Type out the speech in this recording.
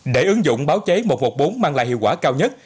để ứng dụng báo chí một trăm một mươi bốn mang lại hiệu quả cao nhất